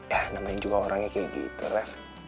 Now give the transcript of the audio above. ya namanya juga orangnya kayak gitu lah